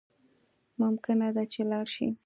ممکنه ده چی لاړ شی